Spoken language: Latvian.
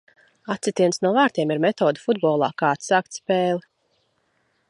Atsitiens no vārtiem ir metode futbolā, kā atsākt spēli.